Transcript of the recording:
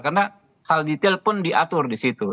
karena hal detail pun diatur di situ